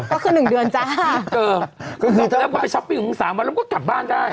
ก็คือ๑เดือนจ้าคือเติมคือคือเท่าไหร่มึงไปช้อปปิง๓วันแล้วมึงก็กลับบ้านได้